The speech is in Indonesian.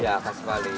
iya asli bali